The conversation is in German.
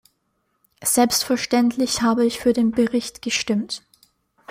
Selbstverständlich habe ich für den Bericht gestimmt.